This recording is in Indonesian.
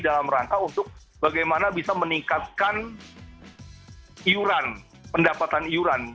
dalam rangka untuk bagaimana bisa meningkatkan iuran pendapatan iuran